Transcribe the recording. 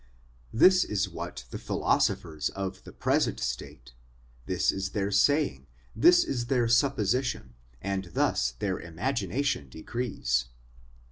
This is what the philosophers of the present state ; this is their saying, this is their supposition, and thus their imagination decrees.